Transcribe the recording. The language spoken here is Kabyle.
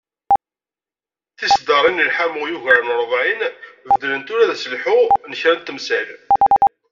Tiseddarin n lḥamu i yugaren rebεin, beddlent ula d aselḥu n kra n temsal.